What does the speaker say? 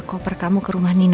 cobain deh sayang